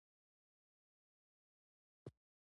زده کوونکي دې په متن کې هغه کلمې په نښه کړي.